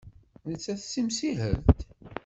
Nettat d timsihelt?